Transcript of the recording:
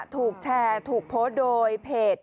ถูกแชร์ถูกโพสต์โดยเพจ